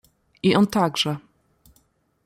"I on także!"